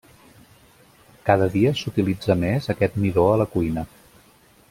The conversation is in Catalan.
Cada dia s'utilitza més aquest midó a la cuina.